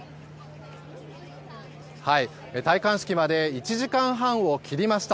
戴冠式まで１時間半を切りました。